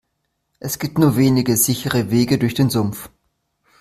Es gibt nur wenige sichere Wege durch den Sumpf.